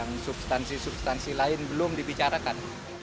dan substansi substansi lain belum dibicarakan